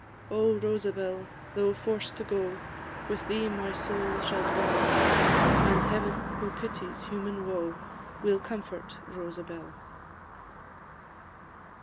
"O Rosabel! though forced to go, With thee my soul shall dwell, And Heaven, who pities human woe, Will comfort Rosabel!"